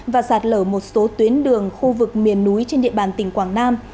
và sạt lở một số tuyến đường khu vực miền núi trên địa bàn tỉnh quảng nam